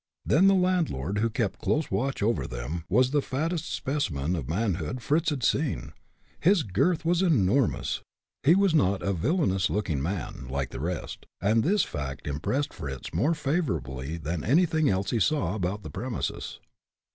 Then the landlord, who kept a close watch over them, was the fattest specimen of manhood Fritz had seen; his girth was something enormous. He was not a villainous looking man, like the rest, and this fact impressed Fritz more favorably than anything else he saw about the premises.